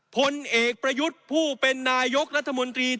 ผลเอกประยุทธ์ผู้เป็นนายกรัฐมนตรี